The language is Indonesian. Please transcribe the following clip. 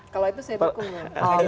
kalau itu saya dukung